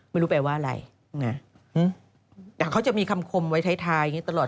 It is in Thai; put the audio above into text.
ไม่รู้แปลว่าอะไรนะแต่เขาจะมีคำคมไว้ท้ายอย่างนี้ตลอด